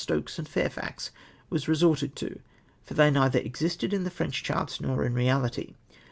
Stokes and Fairfax was resorted to, for they neither existed in tlie Frencli charts, nor in reality.